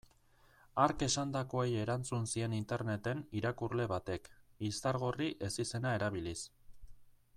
Hark esandakoei erantzun zien interneten irakurle batek, Izargorri ezizena erabiliz.